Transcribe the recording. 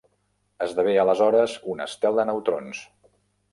Esdevé, aleshores, un estel de neutrons.